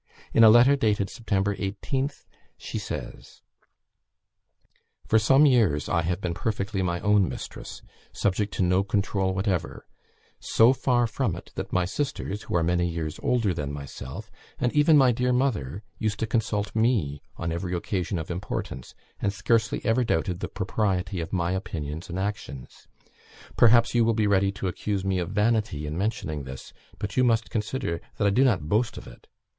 In a letter dated September 18th, she says: "For some years I have been perfectly my own mistress, subject to no control whatever; so far from it, that my sisters, who are many years older than myself, and even my dear mother, used to consult me on every occasion of importance, and scarcely ever doubted the propriety of my opinions and actions: perhaps you will be ready to accuse me of vanity in mentioning this, but you must consider that I do not boast of it.